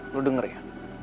lo denger ya